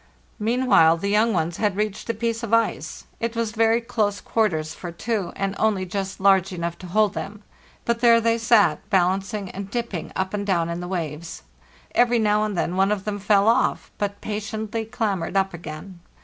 Meanwhile the young ones had reached a piece of ice. It was very close quarters for two, and only just large enough to hold them; but there they sat, balancing and dipping up and down in the waves. Every now and then one of them fell off, but patiently clam bered up again.